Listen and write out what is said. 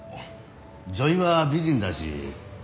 女医は美人だし。